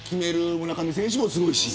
村上選手もすごいし。